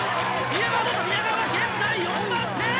宮川現在４番手！